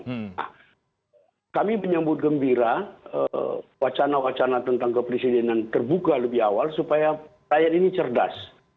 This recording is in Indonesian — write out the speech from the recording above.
nah kami menyambut gembira wacana wacana tentang kepresidenan terbuka lebih awal supaya rakyat ini cerdas